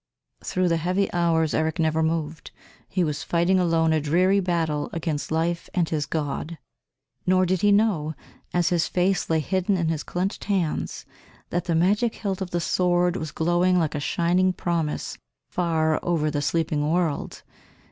Through the heavy hours Eric never moved; he was fighting alone a dreary battle against life and his God. Nor did he know, as his face lay hidden in his clenched hands, that the magic hilt of the sword was glowing like a shining promise far over the sleeping world.